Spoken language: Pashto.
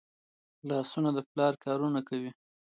لاسونه د پلار کارونه کوي